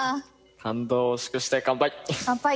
感動を祝して乾杯！